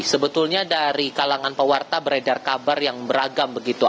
sebetulnya dari kalangan pewarta beredar kabar yang beragam begitu